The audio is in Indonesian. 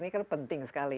ini kan penting sekali